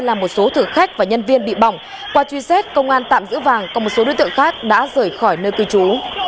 làm một số thử khách và nhân viên bị bỏng qua truy xét công an tạm giữ vàng còn một số đối tượng khác đã rời khỏi nơi cư trú